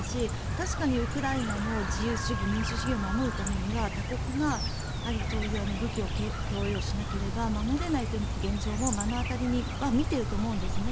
確かにウクライナも自由主義、民主主義を守るためには他国がそういう武器を供与しなければ守らないという現状も目の当たりに見ているとは思うんですね。